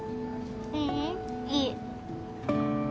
ううんいい。